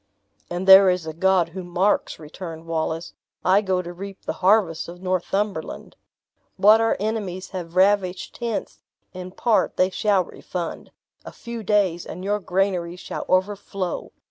"And there is a God who marks," returned Wallace; "I go to reap the harvests of Northumberland. What our enemies have ravished hence in part they shall refund; a few days, and your granaries shall overflow.